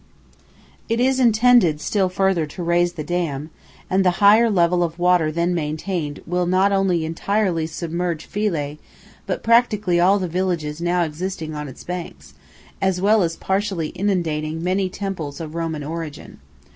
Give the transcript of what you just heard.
It is intended still further to raise the dam, and the higher level of water then maintained will not only entirely submerge Philæ, but practically all the villages now existing on its banks, as well as partially inundating many interesting temples of Roman origin.